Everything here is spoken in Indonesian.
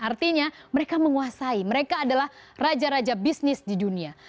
artinya mereka menguasai mereka adalah raja raja bisnis di dunia